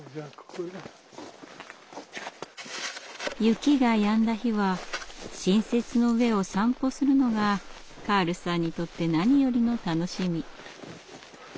雪がやんだ日は新雪の上を散歩するのがカールさんにとって何よりの楽しみ。